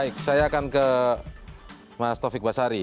baik saya akan ke mas taufik basari